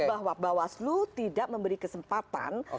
bahwa bawaslu tidak memberi kesempatan